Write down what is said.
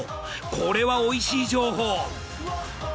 これはおいしい情報。